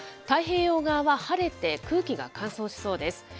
太平洋側は晴れて、空気が乾燥しそうです。